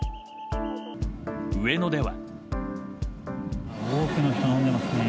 上野では。